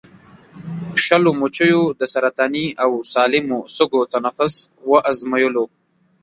شلو مچیو د سرطاني او سالمو سږو تنفس وازمویلو.